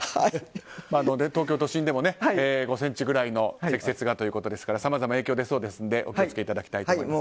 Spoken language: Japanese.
東京都心でも５ｃｍぐらいの積雪ということですからさまざま影響が出そうですのでお気を付けいただきたいです。